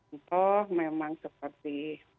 itu memang seperti